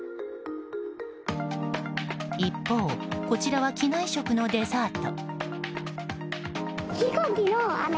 一方、こちらは機内食のデザート。